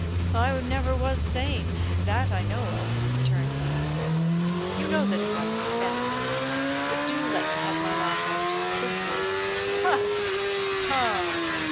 "I never was sane, that I know of," returned he. "You know that it runs in the family. But do let me have my laugh out. The woods! Ha! ha!